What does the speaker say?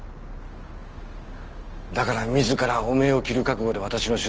だから自らが汚名を着る覚悟で私の取材を受けた。